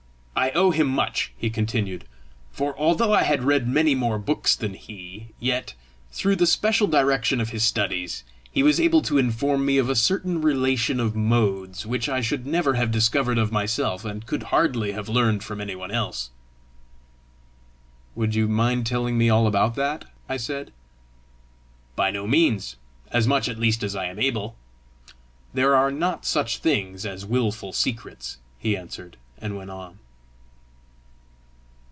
"I owe him much," he continued; "for, although I had read many more books than he, yet, through the special direction of his studies, he was able to inform me of a certain relation of modes which I should never have discovered of myself, and could hardly have learned from any one else." "Would you mind telling me all about that?" I said. "By no means as much at least as I am able: there are not such things as wilful secrets," he answered and went on.